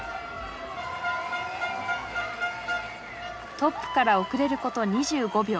トップから遅れること２５秒。